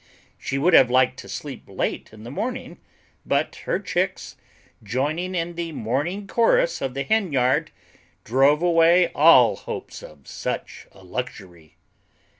She would have liked to sleep late in the morning, but her chicks, joining in the morning chorus of the hen yard, drove away all hopes of such a luxury.